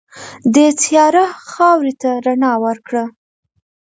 دې تیاره خاورې ته رڼا ورکړه.